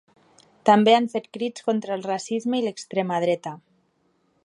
També han fet crits contra el racisme i l’extrema dreta.